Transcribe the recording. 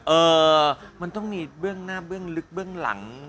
เอ่อมันต้องมีเบื้องหน้าเบื้องลึกเบื้องหลัง